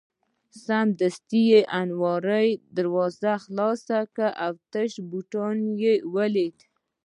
سمدستي یې د المارۍ دروازه خلاصه کړل او تش بوتلونه یې ولیدل.